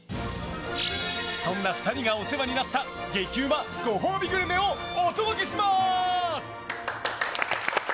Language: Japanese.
そんな２人がお世話になった激うまご褒美グルメをお届けします。